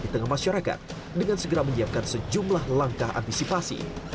di tengah masyarakat dengan segera menyiapkan sejumlah langkah antisipasi